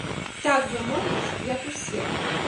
Так бы мовіць, як усе.